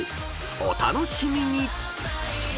［お楽しみに！］